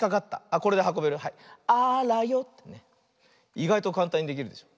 いがいとかんたんにできるでしょ。